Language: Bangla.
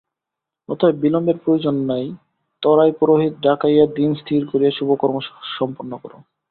অতএব বিলম্বের প্রয়োজন নাই ত্বরায় পুরোহিত ডাকাইয়া দিন স্থির করিয়া শুভ কর্ম সম্পন্ন কর।